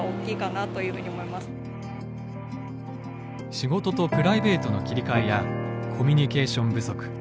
仕事とプライベートの切り替えやコミュニケーション不足。